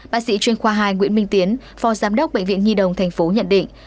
bác sĩ chuyên khoa hai nguyễn minh tiến phò giám đốc bệnh viện nhi đồng thành phố nhận định